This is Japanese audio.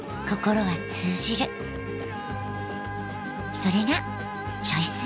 それが「チョイ住み」。